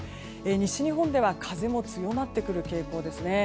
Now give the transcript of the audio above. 西日本では風も強まってくる傾向ですね。